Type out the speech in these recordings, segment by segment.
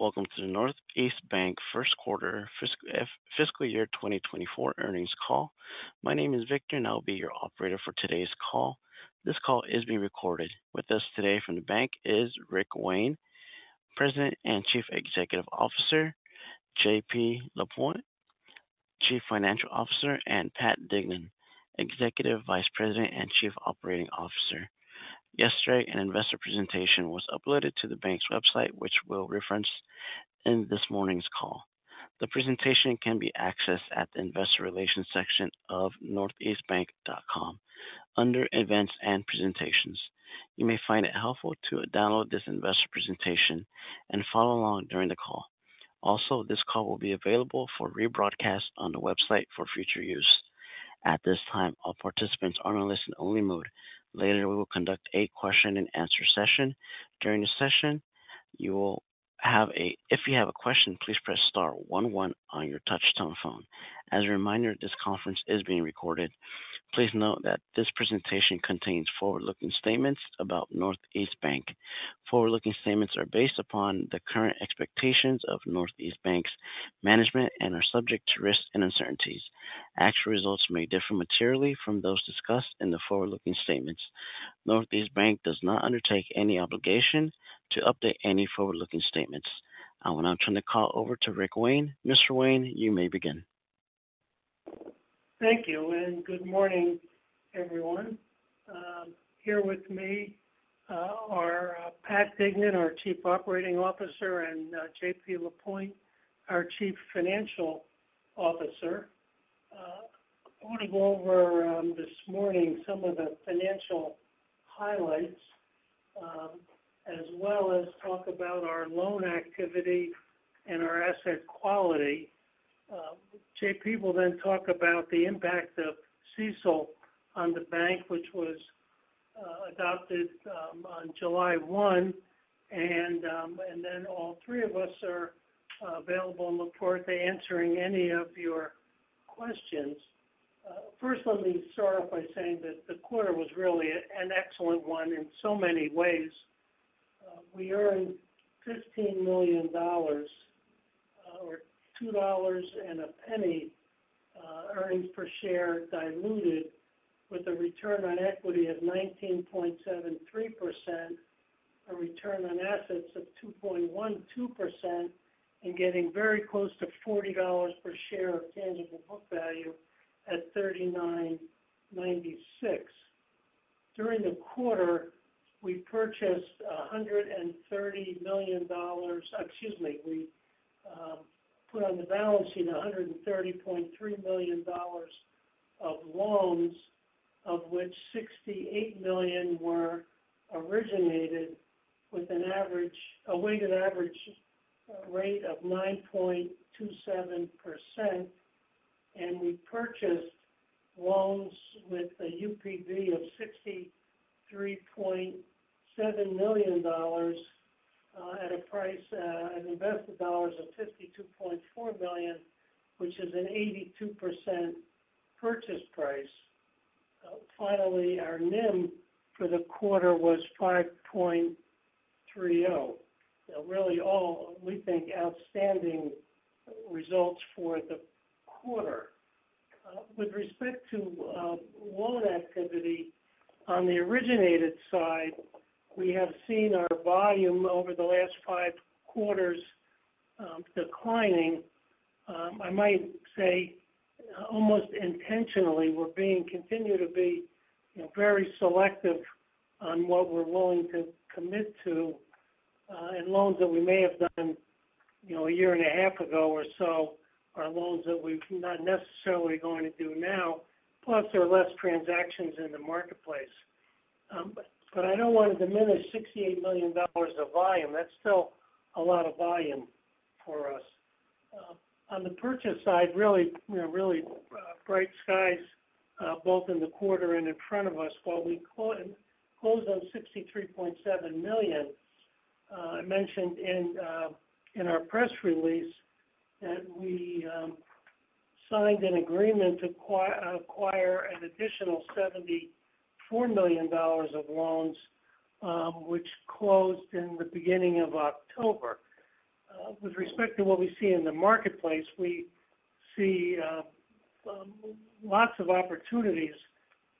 Welcome to the Northeast Bank first quarter fiscal year 2024 earnings call. My name is Victor, and I'll be your operator for today's call. This call is being recorded. With us today from the bank is Rick Wayne, President and Chief Executive Officer, JP Lapointe, Chief Financial Officer, and Pat Dignan, Executive Vice President and Chief Operating Officer. Yesterday, an investor presentation was uploaded to the bank's website, which we'll reference in this morning's call. The presentation can be accessed at the investor relations section of northeastbank.com under events and presentations. You may find it helpful to download this investor presentation and follow along during the call. Also, this call will be available for rebroadcast on the website for future use. At this time, all participants are in a listen-only mode. Later, we will conduct a question-and-answer session. During the session, you will have a... If you have a question, please press star one, one on your touchtone phone. As a reminder, this conference is being recorded. Please note that this presentation contains forward-looking statements about Northeast Bank. Forward-looking statements are based upon the current expectations of Northeast Bank's management and are subject to risks and uncertainties. Actual results may differ materially from those discussed in the forward-looking statements. Northeast Bank does not undertake any obligation to update any forward-looking statements. I will now turn the call over to Rick Wayne. Mr. Wayne, you may begin. Thank you, and good morning, everyone. Here with me are Pat Dignan, our Chief Operating Officer, and JP Lapointe, our Chief Financial Officer. I want to go over this morning some of the financial highlights, as well as talk about our loan activity and our asset quality. JP will then talk about the impact of CECL on the bank, which was adopted on July 1, and then all three of us are available and look forward to answering any of your questions. First let me start off by saying that the quarter was really an excellent one in so many ways. We earned $15 million, or $2.01 diluted earnings per share with a return on equity of 19.73%, a return on assets of 2.12%, and getting very close to $40 per share of tangible book value at $39.96. During the quarter, we put on the balance sheet $130.3 million of loans, of which $68 million were originated with a weighted average rate of 9.27%, and we purchased loans with a UPB of $63.7 million, at a price, an invested dollars of $52.4 million, which is an 82% purchase price. Finally, our NIM for the quarter was 5.30%. Really all, we think, outstanding results for the quarter. With respect to loan activity, on the originated side, we have seen our volume over the last five quarters declining. I might say, almost intentionally, we're being—continue to be, you know, very selective on what we're willing to commit to, and loans that we may have done, you know, a year and a half ago or so, are loans that we're not necessarily going to do now, plus there are less transactions in the marketplace. But I don't want to diminish $68 million of volume. That's still a lot of volume for us. On the purchase side, really, you know, really, bright skies, both in the quarter and in front of us. While we closed on $63.7 million, I mentioned in our press release that we signed an agreement to acquire an additional $74 million of loans, which closed in the beginning of October. With respect to what we see in the marketplace, we see lots of opportunities.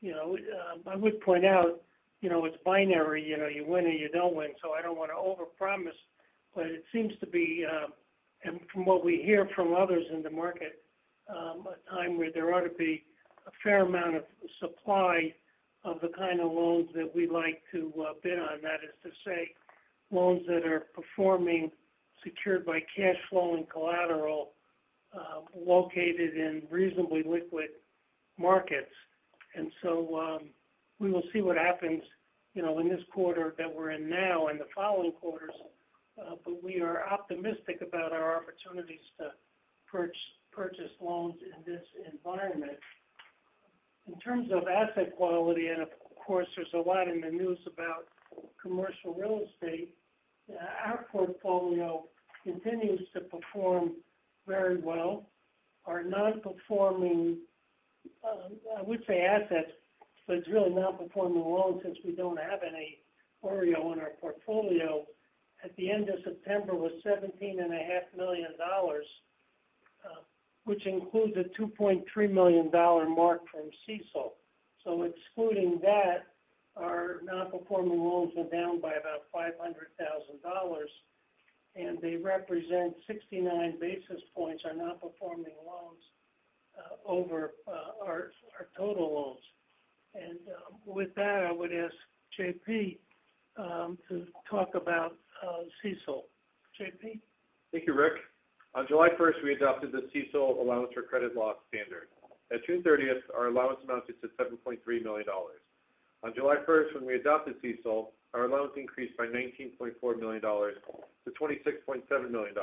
You know, I would point out, you know, it's binary, you know, you win or you don't win, so I don't want to overpromise, but it seems to be, and from what we hear from others in the market, a time where there ought to be a fair amount of supply of the kind of loans that we like to bid on. That is to say, loans that are performing, secured by cash flow and collateral, located in reasonably liquid markets. So, we will see what happens, you know, in this quarter that we're in now and the following quarters, but we are optimistic about our opportunities to purchase loans in this environment. In terms of asset quality, and of course, there's a lot in the news about commercial real estate, our portfolio continues to perform very well. Our nonperforming assets, but it's really nonperforming loans, since we don't have any already in our portfolio. At the end of September, it was $17.5 million, which includes a $2.3 million mark from CECL. So excluding that, our nonperforming loans were down by about $500,000, and they represent 69 basis points of nonperforming loans over our total loans. With that, I would ask JP to talk about CECL. JP? Thank you, Rick. On July 1st, we adopted the CECL allowance for credit loss standard. At June 30th, our allowance amounted to $7.3 million. On July 1st, when we adopted CECL, our allowance increased by $19.4 million to $26.7 million.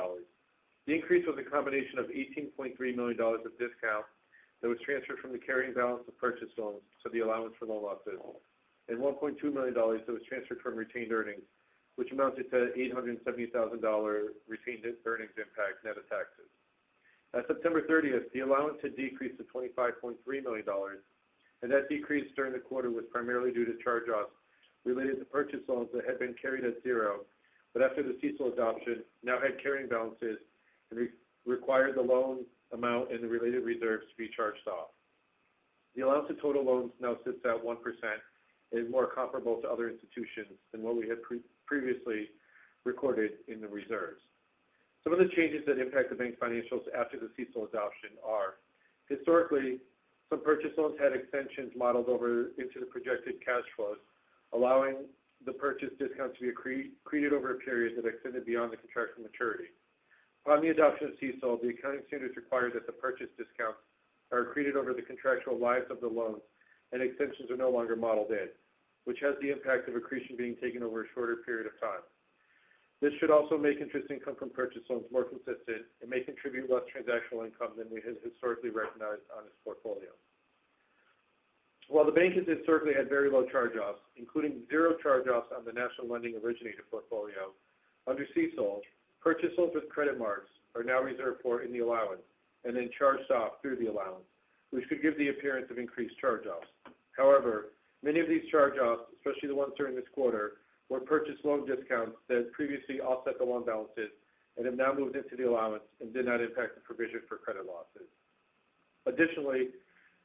The increase was a combination of $18.3 million of discount that was transferred from the carrying balance of purchase loans to the allowance for loan losses, and $1.2 million that was transferred from retained earnings, which amounted to $870,000 retained earnings impact net of taxes. At September 30th, the allowance had decreased to $25.3 million, and that decrease during the quarter was primarily due to charge-offs related to purchase loans that had been carried at zero, but after the CECL adoption, now had carrying balances and required the loan amount and the related reserves to be charged off. The allowance to total loans now sits at 1% and is more comparable to other institutions than what we had previously recorded in the reserves. Some of the changes that impact the bank's financials after the CECL adoption are: historically, some purchase loans had extensions modeled over into the projected cash flows, allowing the purchase discounts to be accreted over a period that extended beyond the contractual maturity. Upon the adoption of CECL, the accounting standards require that the purchase discounts are accreted over the contractual life of the loan, and extensions are no longer modeled in, which has the impact of accretion being taken over a shorter period of time. This should also make interest income from purchase loans more consistent and may contribute less transactional income than we had historically recognized on this portfolio. While the bank has historically had very low charge-offs, including zero charge-offs on the national lending originated portfolio, under CECL, purchase loans with credit marks are now reserved for in the allowance and then charged off through the allowance, which could give the appearance of increased charge-offs. However, many of these charge-offs, especially the ones during this quarter, were purchase loan discounts that previously offset the loan balances and have now moved into the allowance and did not impact the provision for credit losses. Additionally,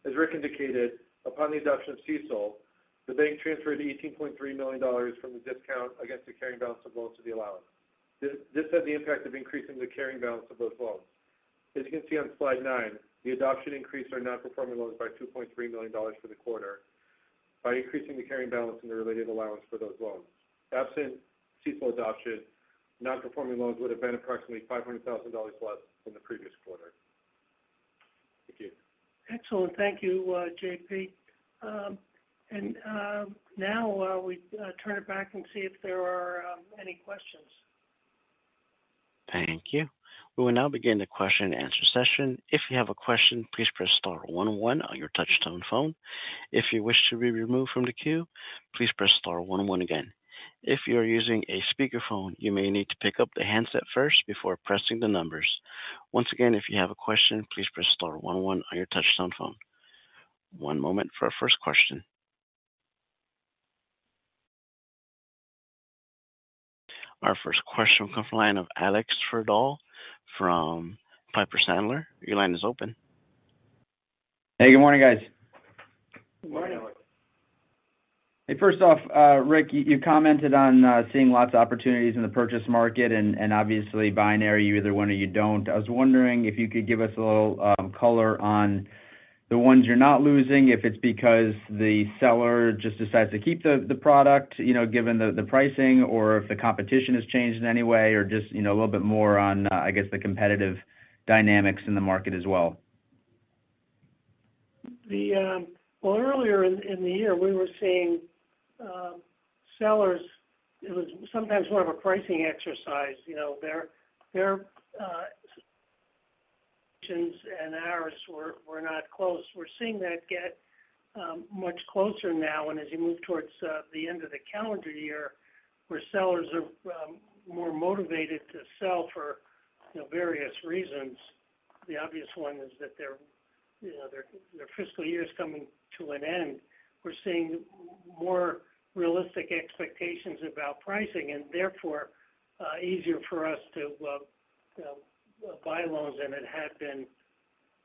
as Rick indicated, upon the adoption of CECL, the bank transferred $18.3 million from the discount against the carrying balance of loans to the allowance. This had the impact of increasing the carrying balance of those loans. As you can see on slide nine, the adoption increased our nonperforming loans by $2.3 million for the quarter by increasing the carrying balance in the related allowance for those loans. Absent CECL adoption, nonperforming loans would have been approximately $500,000 less than the previous quarter. Thank you. Excellent. Thank you, JP. Now we turn it back and see if there are any questions. Thank you. We will now begin the question and answer session. If you have a question, please press star one, one on your touchtone phone. If you wish to be removed from the queue, please press star one, one again. If you are using a speakerphone, you may need to pick up the handset first before pressing the numbers. Once again, if you have a question, please press star one, one on your touchtone phone. One moment for our first question. Our first question will come from the line of Alex Twerdahl from Piper Sandler. Your line is open. Hey, good morning, guys. Good morning, Alex. Hey, first off, Rick, you commented on seeing lots of opportunities in the purchase market, and obviously, binary, you either win or you don't. I was wondering if you could give us a little color on the ones you're not losing, if it's because the seller just decides to keep the product, you know, given the pricing, or if the competition has changed in any way, or just, you know, a little bit more on, I guess, the competitive dynamics in the market as well. Well, earlier in the year, we were seeing sellers; it was sometimes more of a pricing exercise. You know, their and ours were not close. We're seeing that get much closer now, and as you move towards the end of the calendar year, where sellers are more motivated to sell for, you know, various reasons. The obvious one is that their, you know, their fiscal year is coming to an end. We're seeing more realistic expectations about pricing, and therefore easier for us to, well, you know, buy loans than it had been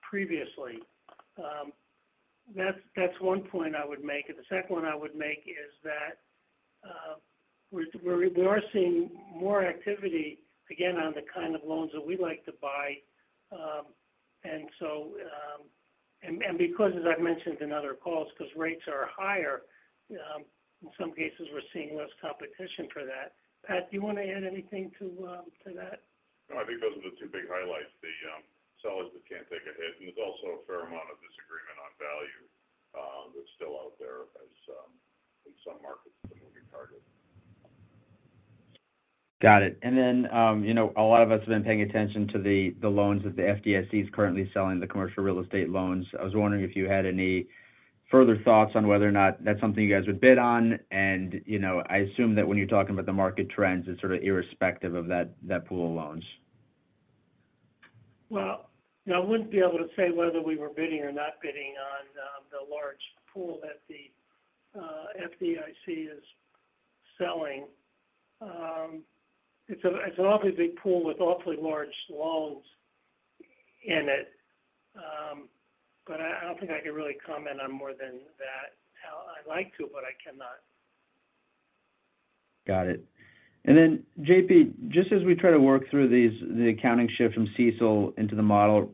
previously. That's one point I would make. And the second one I would make is that we're seeing more activity, again, on the kind of loans that we like to buy. And so, as I've mentioned in other calls, because rates are higher, in some cases, we're seeing less competition for that. Pat, do you want to add anything to that? No, I think those are the two big highlights, the sellers that can't take a hit, and there's also a fair amount of disagreement on value, that's still out there as, in some markets, a moving target. Got it. And then, you know, a lot of us have been paying attention to the loans that the FDIC is currently selling, the commercial real estate loans. I was wondering if you had any further thoughts on whether or not that's something you guys would bid on. And, you know, I assume that when you're talking about the market trends, it's sort of irrespective of that pool of loans. Well, I wouldn't be able to say whether we were bidding or not bidding on the large pool that the FDIC is selling. It's an awfully big pool with awfully large loans in it. But I, I don't think I could really comment on more than that. I'd like to, but I cannot. Got it. And then, JP, just as we try to work through these, the accounting shift from CECL into the model,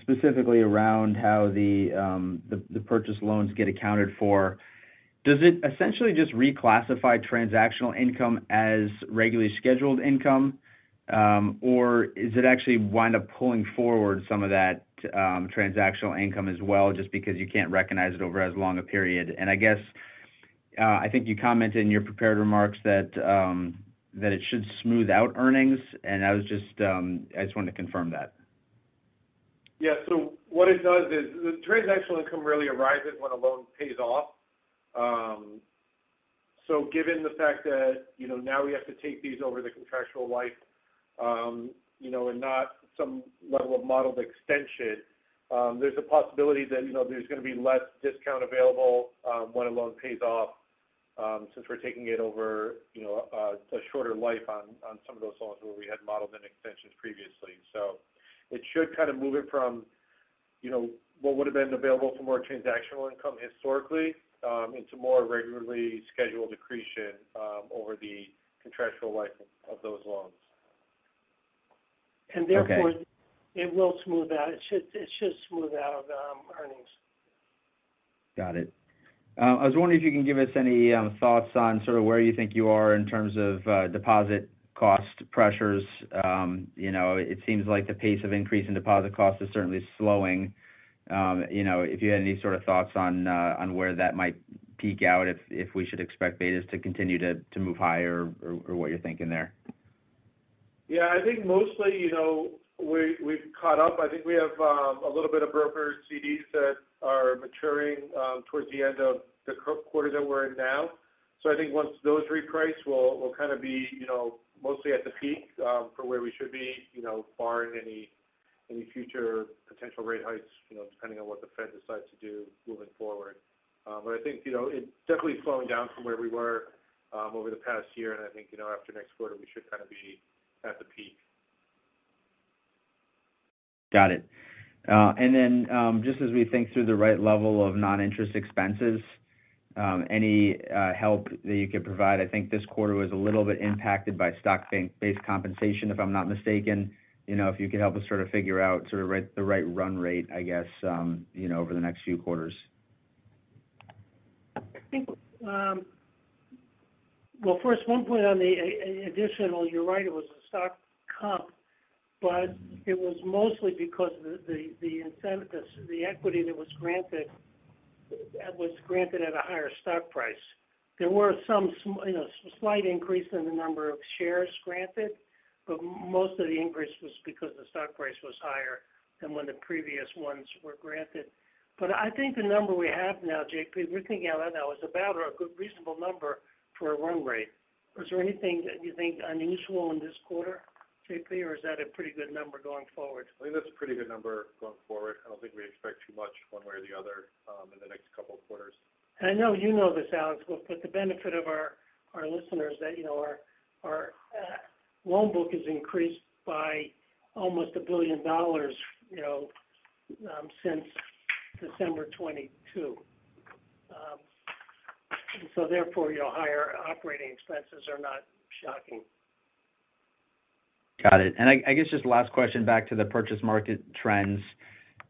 specifically around how the purchase loans get accounted for, does it essentially just reclassify transactional income as regularly scheduled income? Or is it actually wind up pulling forward some of that transactional income as well, just because you can't recognize it over as long a period? And I guess, I think you commented in your prepared remarks that it should smooth out earnings, and I was just, I just wanted to confirm that. Yeah. So what it does is, the transactional income really arrives at when a loan pays off. So given the fact that, you know, now we have to take these over the contractual life, you know, and not some level of modeled extension, there's a possibility that, you know, there's going to be less discount available, when a loan pays off, since we're taking it over, you know, a shorter life on some of those loans where we had modeled an extension previously. So it should kind of move it from, you know, what would have been available for more transactional income historically, into more regularly scheduled accretion, over the contractual life of those loans. Okay. Therefore, it will smooth out. It should, it should smooth out, earnings. Got it. I was wondering if you can give us any thoughts on sort of where you think you are in terms of deposit cost pressures? You know, it seems like the pace of increase in deposit costs is certainly slowing. You know, if you had any sort of thoughts on where that might peak out, if we should expect betas to continue to move higher, or what you're thinking there. Yeah, I think mostly, you know, we, we've caught up. I think we have a little bit of brokered CDs that are maturing towards the end of the current quarter that we're in now. So I think once those reprice, we'll kind of be, you know, mostly at the peak for where we should be, you know, barring any future potential rate hikes, you know, depending on what the Fed decides to do moving forward. But I think, you know, it's definitely slowing down from where we were over the past year, and I think, you know, after next quarter, we should kind of be at the peak. Got it. And then, just as we think through the right level of non-interest expenses, any help that you could provide? I think this quarter was a little bit impacted by stock-based compensation, if I'm not mistaken. You know, if you could help us sort of figure out sort of right, the right run rate, I guess, you know, over the next few quarters. I think, well, first, one point on the additional, you're right, it was a stock comp, but it was mostly because the incentives, the equity that was granted was granted at a higher stock price. There were some you know, slight increase in the number of shares granted, but most of the increase was because the stock price was higher than when the previous ones were granted. But I think the number we have now, JP, we're thinking out now is about a good reasonable number for a run rate. Was there anything that you think unusual in this quarter, JP, or is that a pretty good number going forward? I think that's a pretty good number going forward. I don't think we expect too much one way or the other, in the next couple of quarters. I know you know this, Alex, but for the benefit of our listeners, that you know, our loan book is increased by almost $1 billion, you know, since December 2022. So therefore, you know, higher operating expenses are not shocking. Got it. And I guess, just last question back to the purchase market trends.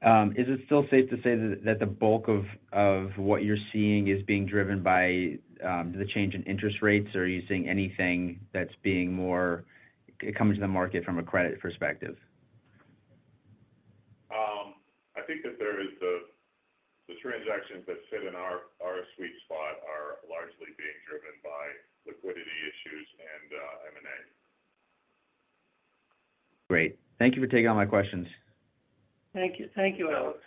Is it still safe to say that the bulk of what you're seeing is being driven by the change in interest rates? Or are you seeing anything that's being more, it comes to the market from a credit perspective? I think that there is the transactions that sit in our sweet spot are largely being driven by liquidity issues and M&A. Great. Thank you for taking all my questions. Thank you. Thank you, Alex.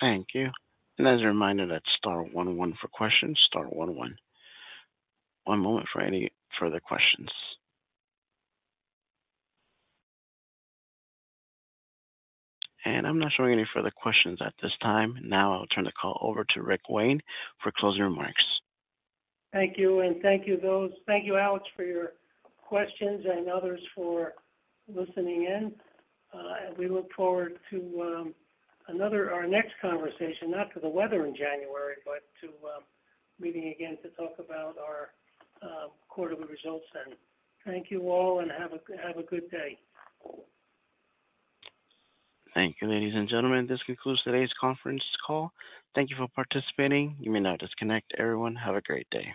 Thank you. As a reminder, that's star one one for questions, star one one. One moment for any further questions. I'm not showing any further questions at this time. Now, I'll turn the call over to Rick Wayne for closing remarks. Thank you, and thank you, thank you, Alex, for your questions and others for listening in. And we look forward to another, our next conversation, not to the weather in January, but to meeting again to talk about our quarterly results. And thank you all, and have a good day. Thank you, ladies and gentlemen. This concludes today's conference call. Thank you for participating. You may now disconnect. Everyone, have a great day.